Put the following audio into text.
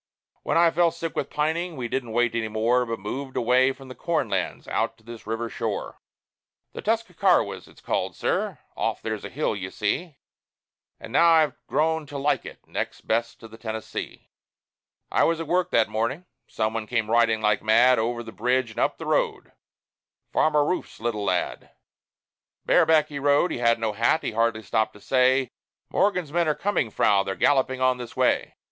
When I fell sick with pining, we didn't wait any more, But moved away from the corn lands, out to this river shore The Tuscarawas it's called, sir off there's a hill, you see And now I've grown to like it next best to the Tennessee. I was at work that morning. Some one came riding like mad Over the bridge and up the road Farmer Rouf's little lad. Bareback he rode; he had no hat; he hardly stopped to say, "Morgan's men are coming, Frau; they're galloping on this way.